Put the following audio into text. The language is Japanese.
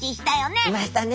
見ましたね